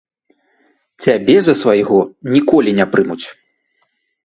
Цябе за свайго ніколі не прымуць.